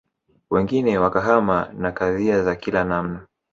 Wengine wakahama na kadhia za kila namna